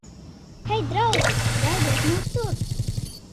Hei, draugi! Gaidiet mūs tur!